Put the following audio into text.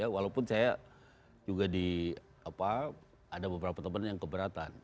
walaupun saya juga ada beberapa teman yang keberatan